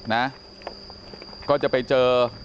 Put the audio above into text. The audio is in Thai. นะก็จะไปเจอ